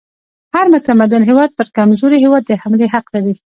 هر متمدن هیواد پر کمزوري هیواد د حملې حق لري.